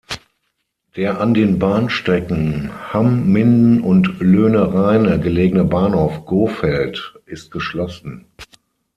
Der an den Bahnstrecken Hamm–Minden und Löhne–Rheine gelegene Bahnhof Gohfeld ist geschlossen.